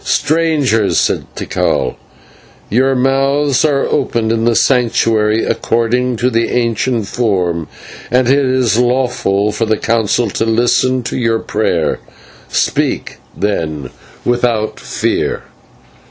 "Strangers," said Tikal, "your mouths are opened in the Sanctuary according to the ancient form, and it is lawful for the Council to listen to your prayer. Speak, then, without fear."